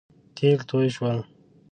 تېل توی شول